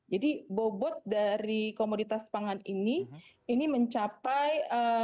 jadi bobot dari komoditas pangan ini ini mencapai tiga puluh delapan empat